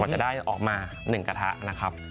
กว่าจะได้ออกมาหนึ่งกระทะนะครับ